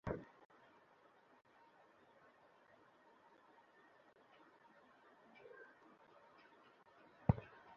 দায় নিয়ে তখনই মাঠ থেকে বের করে দেওয়া হয়েছে অ্যাটলেটিকো কোচকে।